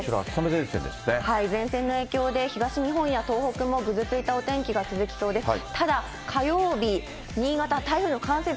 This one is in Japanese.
前線の影響で東日本や東北もぐずついたお天気が続きそうです。